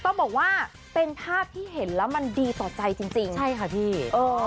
ต้องบอกว่าเป็นภาพที่เห็นแล้วมันดีต่อใจจริงจริงใช่ค่ะพี่เออ